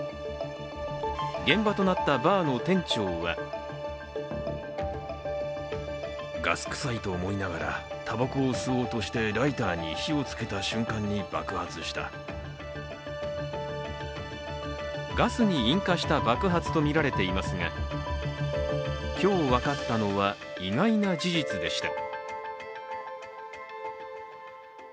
現場となったバーの店長はガスに引火した爆発とみられていますが、今日、分かったのは意外な事実でした。